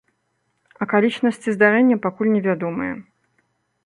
Акалічнасці здарэння пакуль не вядомыя.